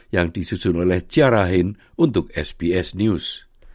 yang disusun oleh ciara hin untuk sbs news